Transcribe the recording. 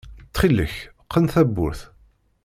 Txil-k qqen tawwurt!